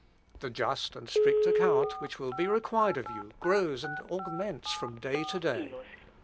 The just and strict account which will be required of you grows and augments from day to day....